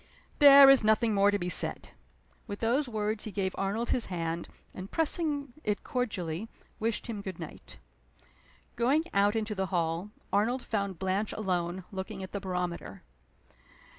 "There is nothing more to be said." With those words he gave Arnold his hand, and, pressing it cordially, wished him good night. Going out into the hall, Arnold found Blanche alone, looking at the barometer.